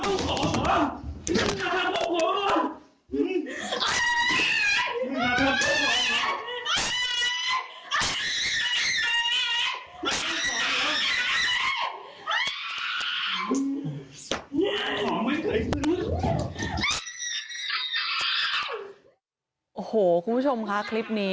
โอ้โหคุณผู้ชมค่ะคลิปนี้